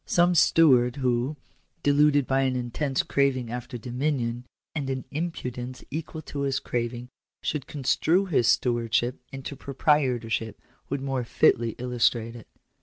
Some steward who, deluded by an intense craving after dominion, and an impudence equal to his craving, should construe his stewardship into proprietorship, would more fitly illustrate it.